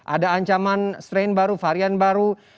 ada ancaman strain baru varian baru